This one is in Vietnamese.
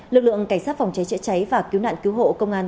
lực lượng cảnh sát phòng cháy chữa cháy và cứu nạn cứu hộ công an